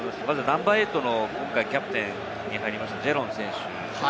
ナンバー８、キャプテンに入ったジェロン選手。